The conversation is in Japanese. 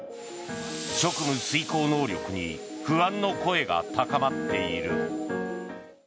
職務遂行能力に不安の声が高まっている。